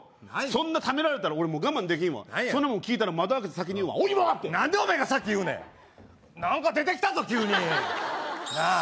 そんなためられたら俺もう我慢できんわそんなもん聞いたら窓開けて先に言うわ「お芋」って何でお前が先言うねん何か出てきたぞ急になあ